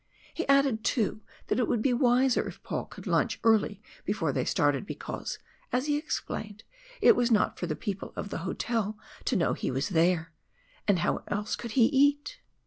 He added, too, that it would be wiser if Paul would lunch early before they started, because, as he explained, it was not for the people of the hotel to know he was there, and how else could he eat?